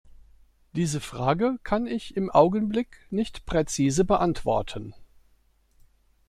Diese Frage kann ich im Augenblick nicht präzise beantworten.